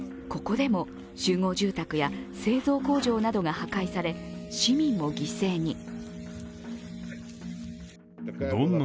ここでも集合住宅や製造工場などが破壊され、市民も犠牲に。